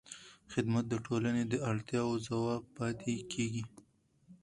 خدمت د ټولنې د اړتیاوو ځواب پاتې کېږي.